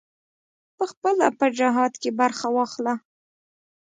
پخپله په جهاد کې برخه واخله.